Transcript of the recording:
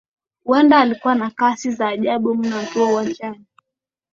Huenda alikuwa na kasi ya ajabu mno akiwa uwanjani